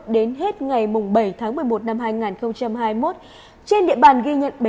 đến hết ngày bảy tháng một mươi một năm hai nghìn hai mươi một trên địa bàn ghi nhận